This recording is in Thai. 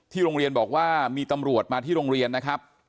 โรงเรียนบอกว่ามีตำรวจมาที่โรงเรียนนะครับ